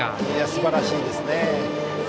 すばらしいですね。